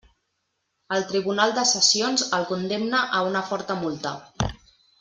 El tribunal de sessions el condemna a una forta multa.